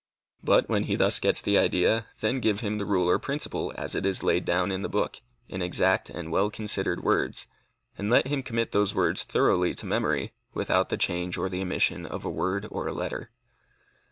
But when he thus gets the idea, then give him the rule or principle, as it is laid down in the book, in exact and well considered words, and let him commit those words thoroughly to memory, without the change or the omission of a word or a letter.